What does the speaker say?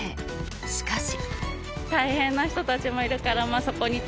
しかし。